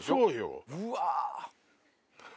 うわ。